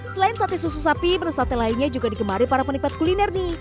selain sate susu sapi menu sate lainnya juga digemari para penikmat kuliner nih